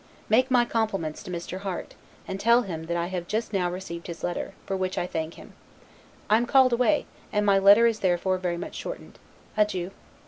Make my compliments to Mr. Harte, and tell him that I have just now received his letter, for which I thank him. I am called away, and my letter is therefore very much shortened. Adieu.